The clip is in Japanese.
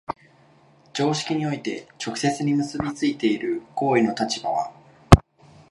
常識において直接に結び付いている行為の立場は、